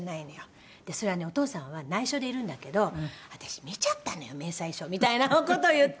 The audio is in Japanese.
「それはねお父さんは内緒でいるんだけど私見ちゃったのよ明細書」みたいな事を言って。